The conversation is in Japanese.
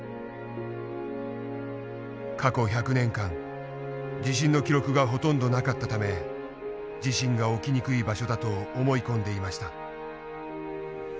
過去１００年間地震の記録がほとんどなかったため地震が起きにくい場所だと思い込んでいました。